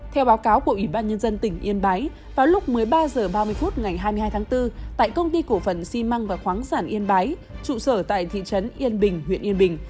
theo báo cáo của ủy ban nhân dân tỉnh yên bái vào lúc một mươi ba h ba mươi phút ngày hai mươi hai tháng bốn tại công ty cổ phần xi măng và khoáng sản yên bái trụ sở tại thị trấn yên bình huyện yên bình